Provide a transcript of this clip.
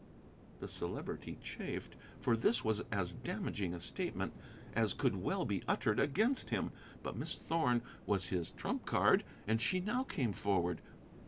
The Celebrity chafed, for this was as damaging a statement as could well be uttered against him. But Miss Thorn was his trump card, and she now came forward.